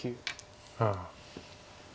ああ。